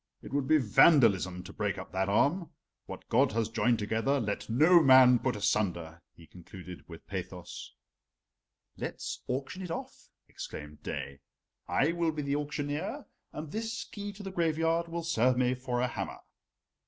"It would be vandalism to break up that arm. What God has joined together let no man put asunder," he concluded with pathos. "Let's auction it off," exclaimed Daae. "I will be the auctioneer, and this key to the graveyard will serve me for a hammer."